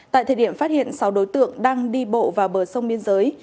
tại thời điểm phát hiện sáu đối tượng đang đi bộ vào bờ sông biên giới